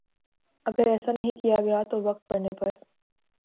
اگر ایسا نہیں کیا گیا تو وقت پڑنے پر